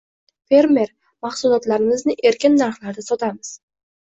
Fermer: “Mahsulotlarimizni erkin narxlarda sotamiz”